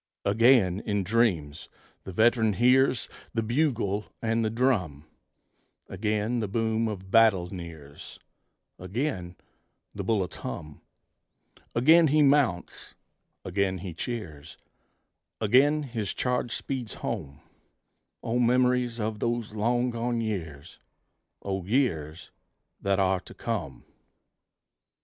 Again, in dreams, the veteran hears The bugle and the drum; Again the boom of battle nears, Again the bullets hum: Again he mounts, again he cheers, Again his charge speeds home O memories of those long gone years! O years that are to come!